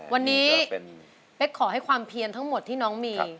วันนี้เป๊กขอให้ความเพียนทั้งหมดที่น้องมี